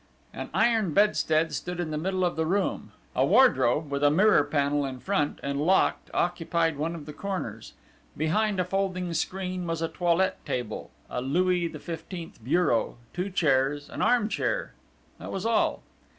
An iron bedstead stood in the middle of the room: a wardrobe, with a mirror panel in front, and locked, occupied one of the corners; behind a folding screen was a toilette table, a Louis XV bureau, two chairs, an arm chair: that was all.